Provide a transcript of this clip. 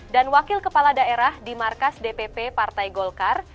dan wakil kepala daerah di markas dpp partai golkar